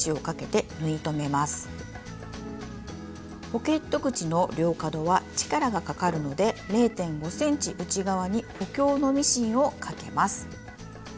ポケット口の両角は力がかかるので０．５ｃｍ内側に補強のミシンをかけます。